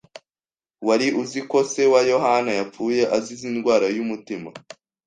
Wari uzi ko se wa Yohani yapfuye azize indwara y'umutima?